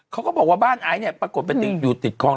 เค้าก็บอกว่าบ้านไอ้เนี่ยปรากฏไปติดคอร์ง